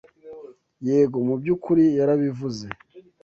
Yego, mu byukuri yarabivuze.